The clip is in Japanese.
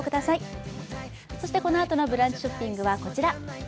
このあとの「ブランチショッピング」はこちら。